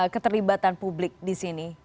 keterlibatan publik disini